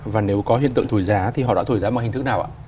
và nếu có hiện tượng thổi giá thì họ đã thổi giá bằng hình thức nào ạ